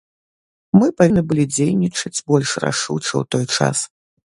Мы павінны былі дзейнічаць больш рашуча ў той час.